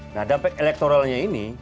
nah dampak elektoralnya ini